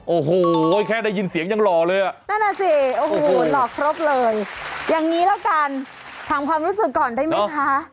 โอ้โหแค่ได้ยินเสียงยังหล่อเลยอ่ะนั่นน่ะสิโอ้โหหล่อครบเลยอย่างนี้แล้วกันถามความรู้สึกก่อนได้ไหมคะ